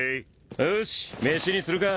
よし飯にするか。